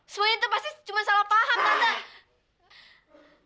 semuanya itu pasti cuma salah paham tante